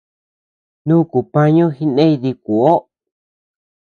Nuku pañu jikney dikuoʼoo.